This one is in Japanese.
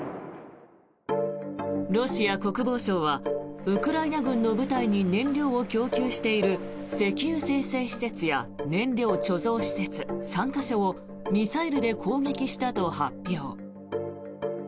ロシア国防省はウクライナ軍の部隊に燃料を供給している石油精製施設や燃料貯蔵施設３か所をミサイルで攻撃したと発表。